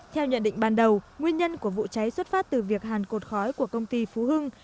theo nhận định ban đầu nguyên nhân của vụ cháy xuất phát từ việc hàn cột khói của công ty phú hưng